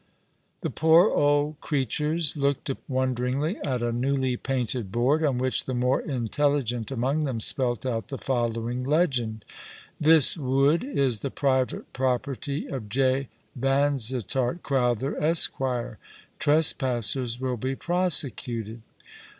The poor old creatures looked up wonder ingly at a newly painted board, on which the more intelligent among them spelt out the following legend — "This wood is the private property of J. Yansittart Crowther, Esq. Trespassers will be prosecuted."